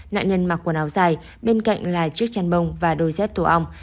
nạn nhân mặc quần áo dài bên cạnh là chiếc chăn bông và đôi dép tổ ong